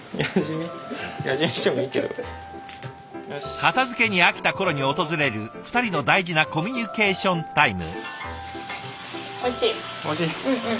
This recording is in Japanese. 片づけに飽きた頃に訪れる２人の大事なコミュニケーションタイム。